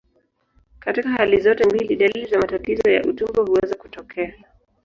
Katika hali zote mbili, dalili za matatizo ya utumbo huweza kutokea.